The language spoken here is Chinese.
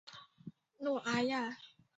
诺阿亚。